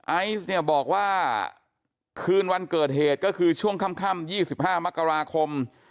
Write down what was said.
ไอซ์เนี่ยบอกว่าคืนวันเกิดเหตุก็คือช่วงค่ำ๒๕มกราคม